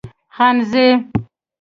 خانزۍ